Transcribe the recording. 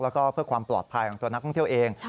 แล้วก็เพื่อความปลอดภัยของตัวนักท่องเที่ยวเอง